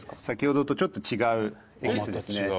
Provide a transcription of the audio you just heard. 先ほどとちょっと違うエキスですね。